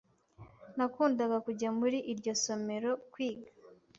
Nakundaga kujya muri iryo somero kwiga.